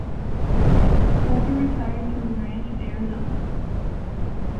Collver retired to his ranch in Arizona.